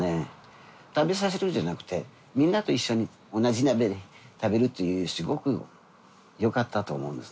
食べさせるんじゃなくてみんなと一緒に同じ鍋で食べるというすごくよかったと思うんです。